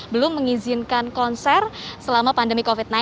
belum mengizinkan konser selama pandemi covid sembilan belas